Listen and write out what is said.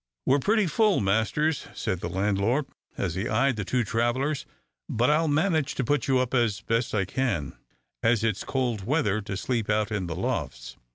"We're pretty full, masters," said the landlord, as he eyed the two travellers; "but I'll manage to put you up as best I can, as it's cold weather to sleep out in the lofts.